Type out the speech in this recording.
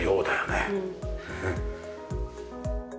うん。